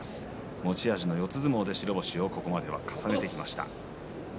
持ち味の四つ相撲で白星をここまで重ねてきました。